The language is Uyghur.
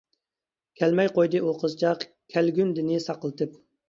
كەلمەي قويدى ئۇ قىزچاق، كەلگۈندىنى ساقلىتىپ.